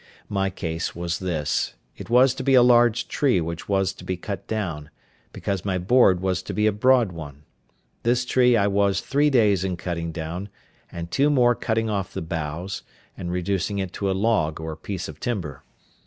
My case was this: it was to be a large tree which was to be cut down, because my board was to be a broad one. This tree I was three days in cutting down, and two more cutting off the boughs, and reducing it to a log or piece of timber.